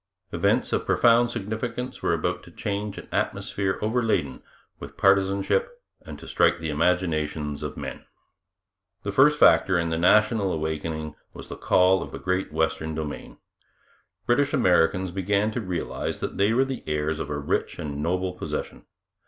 Events of profound significance were about to change an atmosphere overladen with partisanship and to strike the imaginations of men. The first factor in the national awakening was the call of the great western domain. British Americans began to realize that they were the heirs of a rich and noble possession.